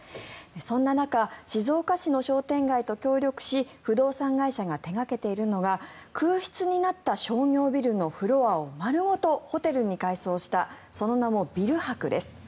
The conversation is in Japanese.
そんな中静岡市の商店街と協力し不動産会社が手掛けているのが空室になった商業ビルのフロアを丸ごとホテルに改装したその名も、ビル泊です。